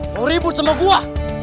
lo ribut sama gua